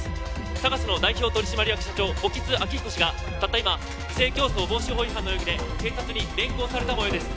ＳＡＧＡＳの代表取締役社長興津晃彦氏がたった今不正競争防止法違反の容疑で警察に連行されたもようです